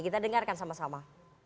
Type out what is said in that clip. kita dengarkan sama sama